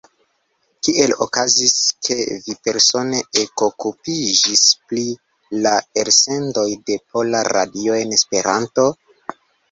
Kiel okazis ke vi persone ekokupiĝis pri la elsendoj de Pola Radio en Esperanto?